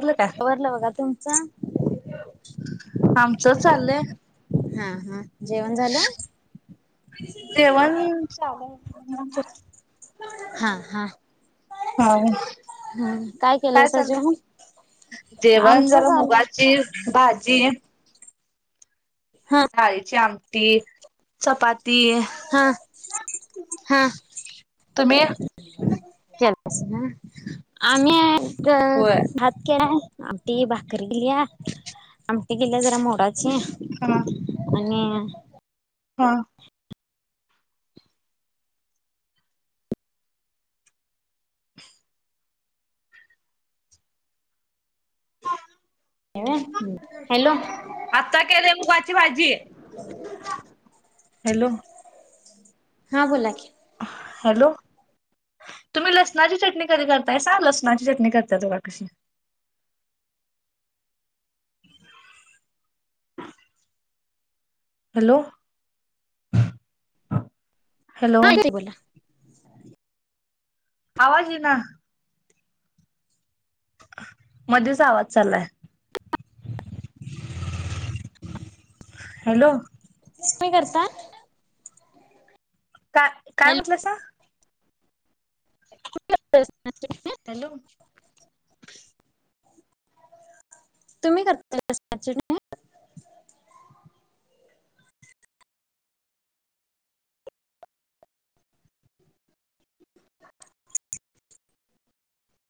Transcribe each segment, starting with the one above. आवरल कां. आवरलं बघा तुमचं. आमचं चालंय. हा हा. जेवण झालं. जेवण चालू हा हा, हाय. हम्म काय केलायसा जेवण. जेवण आमचं जरा, झालं. मुगाची भाजी. हा. डाळीची आमटी. चपाती हा तुम्ही, केलासा होय, आम्ही होय भात केलाय. आमटी भाकरी केल्या, आमटी केल्या जरा मोडाची. हां. आणि, हां. हॅलो. आता केले, मुगाची भाजी. [inaudible] हॅलो. हां बोला की, हॅलो. तुम्ही लसणाची चटणी कधी करतायसा, लसणाची चटणी करत्यात बघा कशी. [inaudible] हॅलो. हॅलो हां, येतंय बोला. आवाज इना. मधीच आवाज चालाय. हॅलो. [unintelligible] करता. काय, काय हॅलो. म्हटला सा. [unintelligible] हॅलो. तुम्ही करता [unintelligible]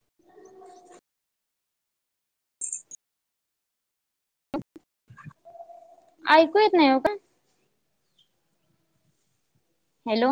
[inaudible] ऐकू येत नाही ओ काय. हॅलो.